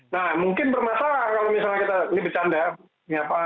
nah mungkin bermasalah kalau misalnya kita ini bercanda